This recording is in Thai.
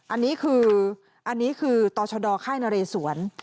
อันนี้คืออันนี้คือต่อชดค่ายนเรสวน